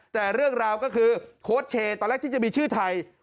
แต่เรื่องราวก็คือโค้ชเชย์ตอนแรกที่จะมีชื่อไทย